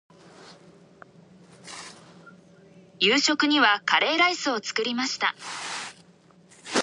夕食にはカレーライスを作りました。